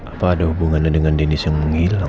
apa ada hubungannya dengan dennis yang menghilang